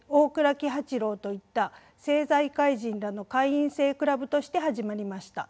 喜八郎といった政財界人らの会員制クラブとして始まりました。